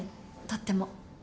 とっても。